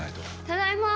ただいま！